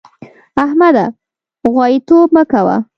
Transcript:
احمده! غواييتوب مه کوه.